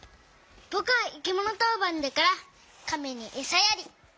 ぼくはいきものとうばんだからかめにえさやり！